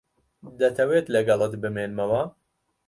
دەتەوێت لەگەڵت بمێنمەوە؟